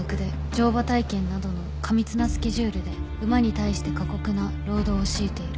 「乗馬体験などの過密なスケジュールで馬に対して過酷な労働を強いている」